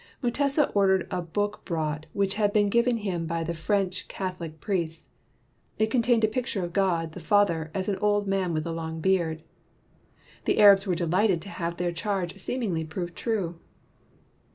Mutesa ordered a book brought which had been given him by the French Catholic 149 WHITE MAN OF WORK priests. It contained a picture of God, the Father, as an old man with a long beard. The Arabs were delighted to have their charge seemingly proved true.